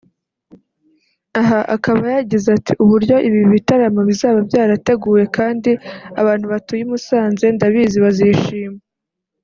Aha akaba yagize ati”Uburyo ibi bitaramo bizaba bwarateguwe kandi abantu batuye i Musanze ndabizi bazishima